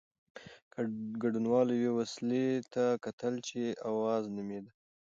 ګډونوالو یوې وسيلې ته کتل چې "اوز" نومېده.